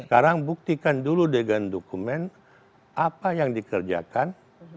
sekarang buktikan dulu dengan dokumen apa yang dikerjakan